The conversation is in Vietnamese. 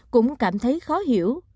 cũng cảm thấy khó hiểu